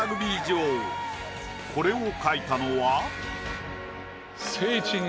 これを描いたのは。